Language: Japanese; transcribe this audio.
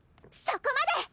そこまで！